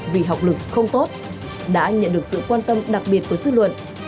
vì học lực không tốt đã nhận được sự quan tâm đặc biệt của dư luận